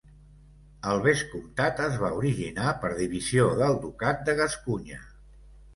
El vescomtat es va originar per divisió del Ducat de Gascunya.